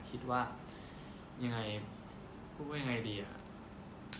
คิดว่ายังไงพูดว่ายังไงดีอ่ะ